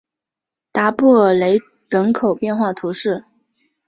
达尔布雷人口变化图示